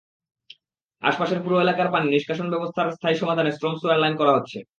আশপাশের পুরো এলাকার পানি নিষ্কাশনব্যবস্থার স্থায়ী সমাধানে স্ট্রম স্যুয়ার লাইন করা হচ্ছে।